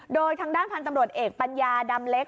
โดยทางด้านพันธุ์ตำรวจเอกปัญญาดำเล็ก